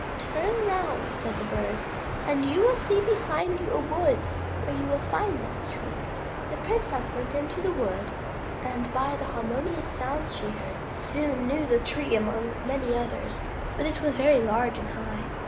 "Turn round," said the Bird," and you will see behind you a wood where you will find this tree." The princess went into the wood and by the harmonious sounds she heard, soon knew 70 THE TREASURE CHEST the tree among many others, but it was very large and high.